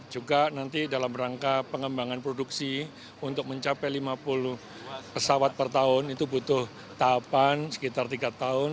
juga nanti dalam rangka pengembangan produksi untuk mencapai lima puluh pesawat per tahun itu butuh tahapan sekitar tiga tahun